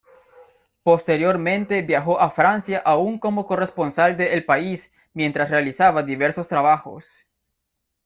Posteriormente viajó a Francia aún como corresponsal de El País mientras realizaba diversos trabajos.